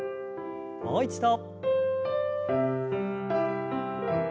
もう一度。